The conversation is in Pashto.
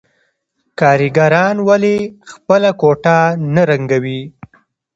کارګران ولې خپله کوټه نه رنګوي